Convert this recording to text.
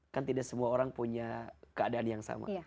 kan tidak semua orang punya keadaan yang sama